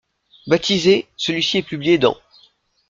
Baptisé ', celui-ci est publié dans '.